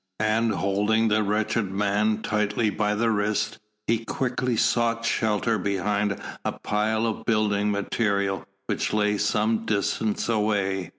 And holding the wretched man tightly by the wrist, he quickly sought shelter behind a pile of building material which lay some distance away.